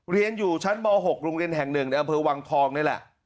เรียนอยู่ชั้นม๖โรงเรียนแห่ง๑ในอำเภอวังทองนี่แหละ